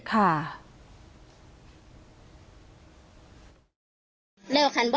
ขอบคุณมากครับขอบคุณมากครับ